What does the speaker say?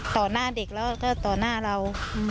หน้าเด็กแล้วก็ต่อหน้าเรา